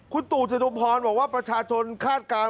คุณตู่จตุพรบอกว่าประชาชนคาดการณ์